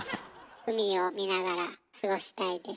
海を見ながら過ごしたいです。